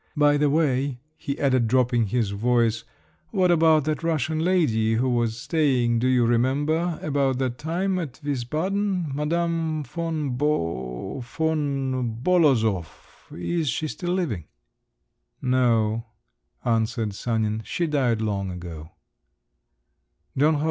By the way," he added, dropping his voice, "what about that Russian lady, who was staying, do you remember, about that time at Wiesbaden—Madame von Bo … von Bolozov, is she still living?" "No," answered Sanin, "she died long ago."